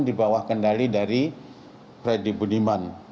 dibawah kendali dari freddy budiman